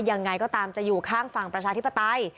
ยังไงก็ตามจะอยู่ข้างฝั่งประชาธิปไตย